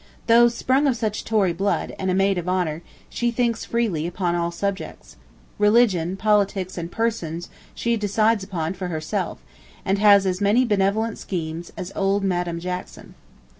Though sprung of such Tory blood, and a maid of honor, she thinks freely upon all subjects. Religion, politics, and persons, she decides upon for herself, and has as many benevolent schemes as old Madam Jackson.